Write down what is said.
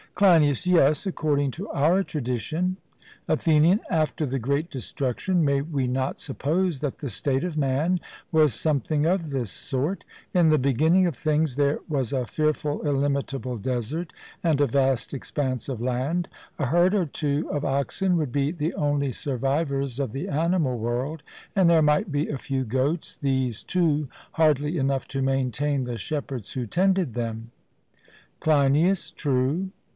CLEINIAS: Yes, according to our tradition. ATHENIAN: After the great destruction, may we not suppose that the state of man was something of this sort: In the beginning of things there was a fearful illimitable desert and a vast expanse of land; a herd or two of oxen would be the only survivors of the animal world; and there might be a few goats, these too hardly enough to maintain the shepherds who tended them? CLEINIAS: True.